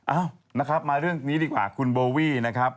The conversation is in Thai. เอ้านะครับมาเรื่องนี้ดีกว่าคุณโบวี่นะครับ